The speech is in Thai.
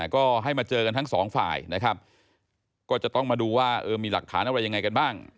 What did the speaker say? ก็ให้มาเจอกันทั้งสองฝ่ายนะครับก็จะต้องมาดูว่ามีหลักฐานอะไรยังไงกันบ้าง